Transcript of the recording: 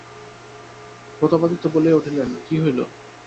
প্রতাপাদিত্য বলিয়া উঠিলেন, কী হইল?